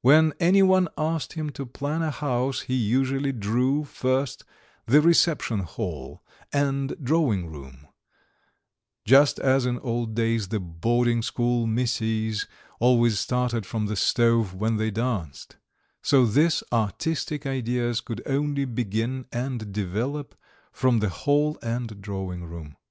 When any one asked him to plan a house, he usually drew first the reception hall and drawing room: just as in old days the boarding school misses always started from the stove when they danced, so his artistic ideas could only begin and develop from the hall and drawing room.